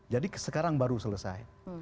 jadi sekarang baru selesai